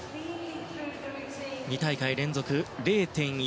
２大会連続０．１